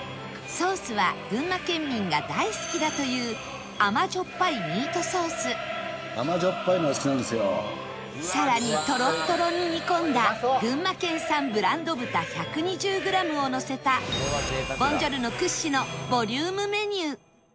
ソースは群馬県民が大好きだというさらにトロットロに煮込んだ群馬県産ブランド豚１２０グラムをのせたボンジョルノ屈指のボリュームメニュー！